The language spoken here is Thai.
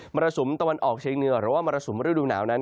รสุมตะวันออกเชียงเหนือหรือว่ามรสุมฤดูหนาวนั้น